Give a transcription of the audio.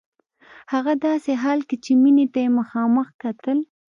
هغه داسې حال کې چې مينې ته يې مخامخ کتل.